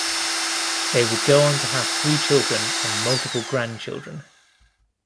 They would go on to have three children and multiple grandchildren.